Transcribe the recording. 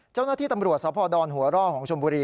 เจ้าหน้าที่ตำรวจสพดหัวร่อของชมบุรี